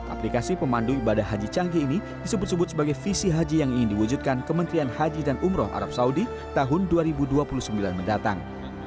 aplikasi pemandu ibadah haji canggih ini disebut sebut sebagai visi haji yang ingin diwujudkan kementerian haji dan umroh arab saudi tahun dua ribu dua puluh sembilan mendatang